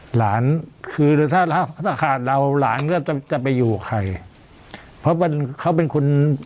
หลานคือถ้าเราถ้าขาดเราหลานก็จะจะไปอยู่กับใครเพราะมันเขาเป็นคน